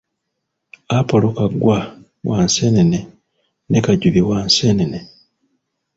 Apolo Kaggwa, wa Nseenene ne Kajubi wa Nseenene.